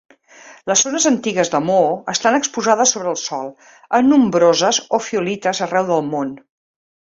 Les zones antigues de Moho estan exposades sobre el sòl en nombroses ofiolites arreu del món.